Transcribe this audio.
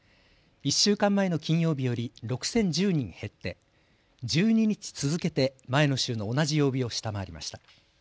１週間前の金曜日より６０１０人減って１２日続けて前の週の同じ曜日を下回りました。